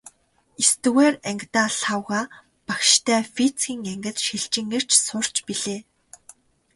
Есдүгээр ангидаа Лхагва багштай физикийн ангид шилжин ирж сурч билээ.